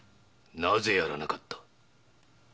なぜ殺らなかった。